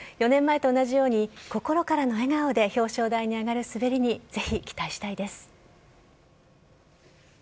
４年前と同じように、心からの笑顔で表彰台に上がる滑りにぜひ期待したいです。